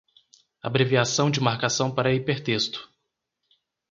Abreviação de marcação para hipertexto